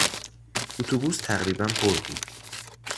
اتوبوس تقریبا پر بود.